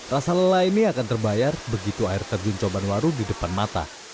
rasa lelah ini akan terbayar begitu air terjun cobanwaru di depan mata